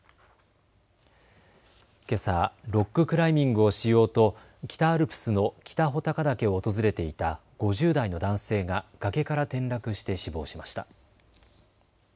けさ、ロッククライミングをしようと北アルプスの北穂高岳を訪れていた５０代の男性が崖から転落して死亡しました。